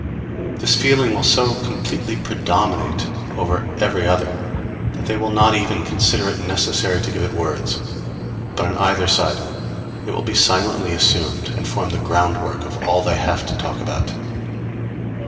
This feeling will so completely predominate over every other that they will not even consider it necessary to give it words; but on either side it will be silently assumed, and form the ground work of all they have to talk about.